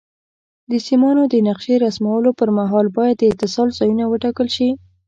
د سیمانو د نقشې رسمولو پر مهال باید د اتصال ځایونه وټاکل شي.